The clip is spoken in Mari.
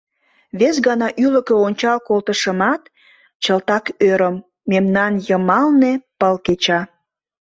Вес гана ӱлыкӧ ончал колтышымат, чылтак ӧрым: мемнан йымалне пыл кеча.